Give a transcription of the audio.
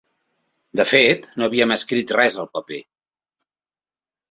De fet, no havien escrit res al paper.